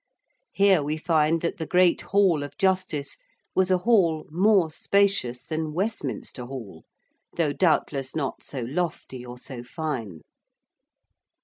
Here we find that the great Hall of Justice was a hall more spacious than Westminster Hall, though doubtless not so lofty or so fine.